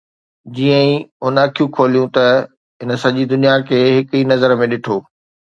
جيئن ئي هن اکيون کوليون ته هن سڄي دنيا کي هڪ ئي نظر ۾ ڏٺو